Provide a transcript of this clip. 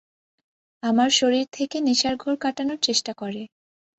আমার শরীর থেকে নেশার ঘোর কাটানোর চেষ্টা করে।